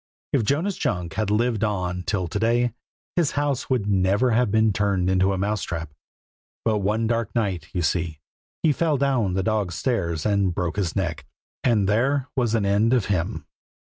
If Jonas Junk had lived on till to day, his house would never have been turned into a mouse trap; but one dark night, you see, he fell down the dog's stairs and broke his neck, and there was an end of him.